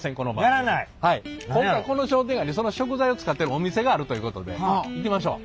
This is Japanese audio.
今回この商店街にその食材を使ってるお店があるということで行きましょう。